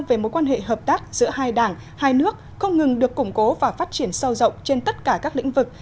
về mối quan hệ hợp tác giữa hai đảng hai nước không ngừng được củng cố và phát triển sâu rộng trên tất cả các lĩnh vực